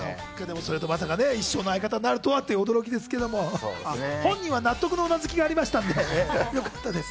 それが一生の相方になるとはという驚きですが、本人は納得のうなずきがあったのでよかったです。